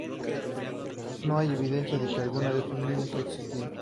No hay evidencia de que alguna de estos niños ha existido.